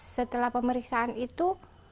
setelah pemeriksaan itu